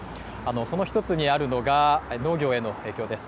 その１つにあるのが農業への影響です。